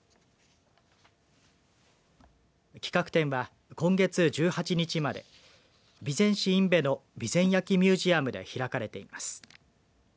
企画展は、今月１８日まで備前市での備前焼ミュージアムで開かれています。